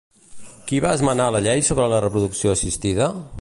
Qui va esmenar la llei sobre la reproducció assistida?